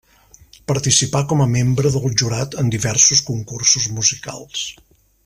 Participà com a membre del jurat en diversos concursos musicals.